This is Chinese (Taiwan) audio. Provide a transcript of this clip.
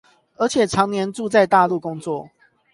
而且長年住在大陸工作